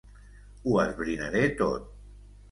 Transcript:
Ho esbrinaré tot.